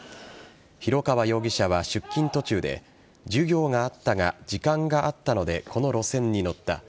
広川容疑者は出勤途中で授業があったが時間があったのでこの路線に乗った。